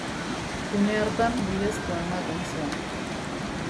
Une hartan bidezkoa ematen zuen.